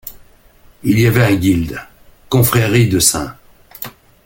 Il y avait un guilde, confrérie de St.